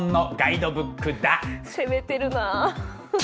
攻めてるな。